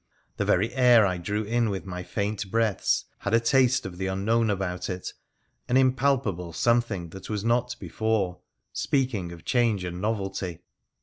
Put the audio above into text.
The very air I drew in with my faint breaths had a taste of the unknown about it, an im palpable something that was not before, speaking of change and novelty.